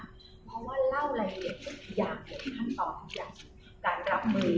เพราะว่าเล่ารายละเอียดอย่างเลยขั้นตอนที่อยากการรับมือ